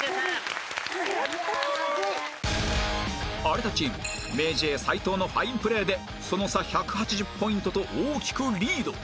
有田チーム ＭａｙＪ． 斎藤のファインプレーでその差１８０ポイントと大きくリード！